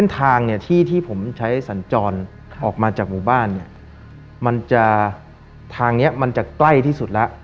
ทางเนี้ยมันจะใกล้ที่สุดละ